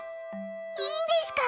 いいんですか？